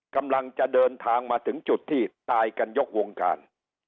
กำลังจะเดินทางมาถึงจุดที่ตายกันยกวงการ